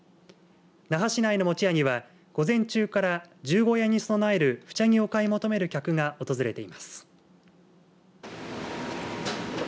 那覇市内の餅屋には午前中から十五夜に供えるフチャギを買い求める客が訪れています。